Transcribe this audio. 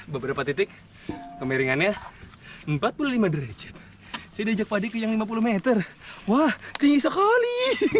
beberapa titik kemiringannya empat puluh lima derajat sidi jakob di lima puluh meter wah tinggi sekali